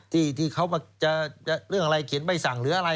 ที่เขาจะเรื่องอะไรเขียนใบสั่งหรืออะไร